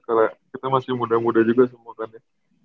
karena kita masih muda muda juga semua kan ya